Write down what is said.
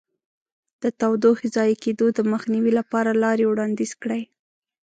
د تودوخې ضایع کېدو د مخنیوي لپاره لارې وړاندیز کړئ.